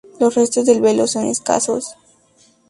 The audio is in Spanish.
Los restos del velo son escasos.